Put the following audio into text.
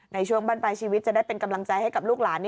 ในช่วงบ้านปลายชีวิตจะได้เป็นกำลังใจให้กับลูกหลาน